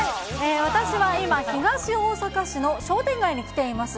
私は今、東大阪市の商店街に来ています。